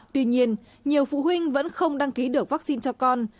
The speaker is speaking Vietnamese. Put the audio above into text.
tuy nhiên nhiều phụ huynh vẫn không đăng ký được vaccine cho con